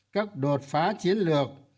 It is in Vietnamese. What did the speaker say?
các đột phá chiến lược